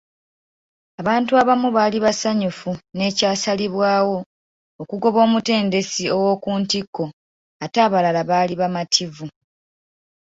Abantu abamu baali basanyufu n'ekyasalibwawo okugoba omutendesi owokuntikko ate abalala baali bamativu.